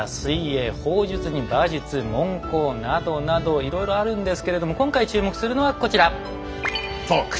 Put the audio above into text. などなどいろいろあるんですけれども今回注目するのはこちら。